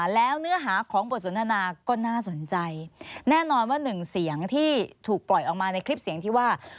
แล้วเนื้อหาของบทสนทนาก็น่าสนใจแน่นอนว่าหนึ่งเสียงที่ถูกปล่อยออกมาในคลิปเสียงที่ว่า